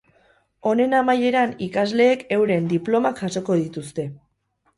Honen amaieran ikasleek euren diplomak jasoko dituzte.